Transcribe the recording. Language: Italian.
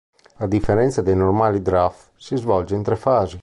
A differenza dei normali draft, si svolse in tre fasi.